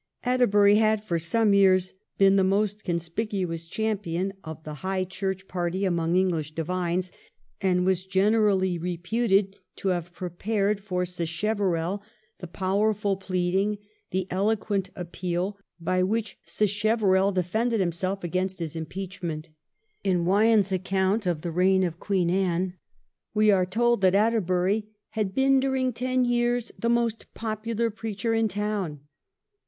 Atterbury had for some years been the most conspicuous champion of the High Church 336 THE REIGN OF QUEEN ANNE. ch. xxxth. party amongst English divines, and was generally re puted to have prepared for Sacheverell the powerful pleading, the eloquent appeal, by which Sacheverell defended himself against his impeachment. In Wyon's account of the reign of Queen Anne we are told that Atterbury 'had been during ten years the most popular preacher in town.'